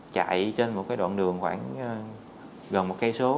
chạy trên một cái đoạn đường khoảng gần một cây số